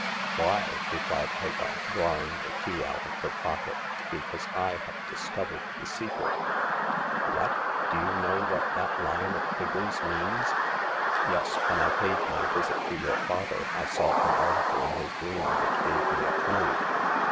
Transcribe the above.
" Why," replied Hagar, drawing the key out of her pocket, " because I have discovered the secret." "What! Do you know what that line of figures means ?"" Yes. When I paid my visit to your father, I saw an article in his room which gave me a clue.